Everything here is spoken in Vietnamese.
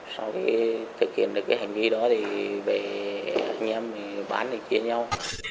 sau khi thực hiện được cái hành vi đó thì anh em bán thì chia nhau